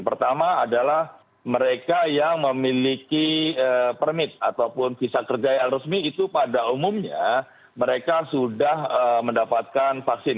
pertama adalah mereka yang memiliki permit ataupun visa kerja yang resmi itu pada umumnya mereka sudah mendapatkan vaksin